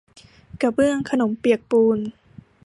กระเบื้องขนมเปียกปูน